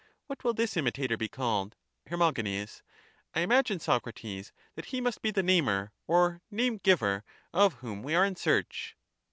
What will this imitator be called? Her. I imagine, Socrates, that he must be the namer, or name giver, of whom we are in search.